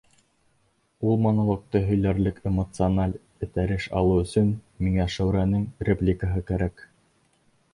Ул монологты һөйләрлек эмоциональ этәреш алыу өсөн миңә Шәүрәнең репликаһы кәрәк.